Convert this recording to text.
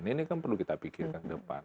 ini kan perlu kita pikirkan ke depan